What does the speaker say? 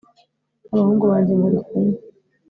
n'abahungu banjye muri kumwe